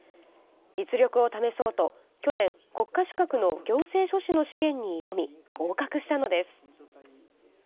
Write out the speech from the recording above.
実力を試そうと去年国家資格の行政書士の試験に挑み合格したのです。